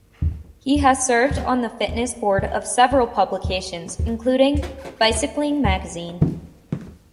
He has served on the fitness board of several publications including "Bicycling Magazine".